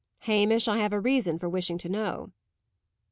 "Hamish, I have a reason for wishing to know."